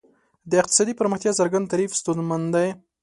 د اقتصادي پرمختیا څرګند تعریف ستونزمن دی.